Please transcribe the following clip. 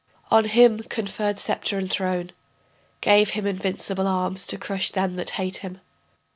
On him conferred sceptre and throne.... Gave him invincible arms to crush them that hate him.